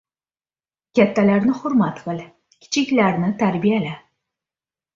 • Kattalarni hurmat qil, kichiklarni tarbiyala.